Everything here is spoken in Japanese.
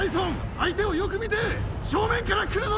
相手をよく見て正面から来るぞ。